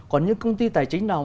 còn những công ty tài chính nào